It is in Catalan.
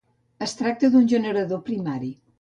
Es tracta d'un generador primari.